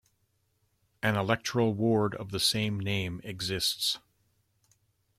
An electoral ward of the same name exists.